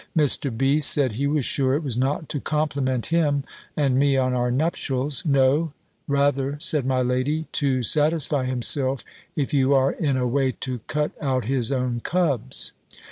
Mr. B. said, he was sure it was not to compliment him and me on our nuptials. "No, rather," said my lady, "to satisfy himself if you are in a way to cut out his own cubs."